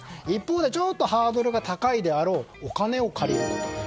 一方で、ちょっとハードルが高いであろうお金を借りること。